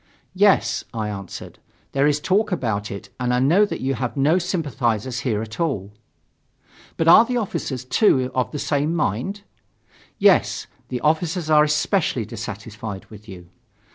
"Yes," I answered, "there is talk about it, and I know that you have no sympathizers here at all." "But are the officers, too, of the same mind?" "Yes, the officers are especially dissatisfied with you."